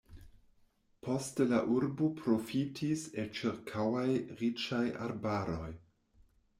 Poste la urbo profitis el ĉirkaŭaj riĉaj arbaroj.